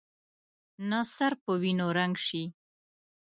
نه سر په وینو رنګ شي.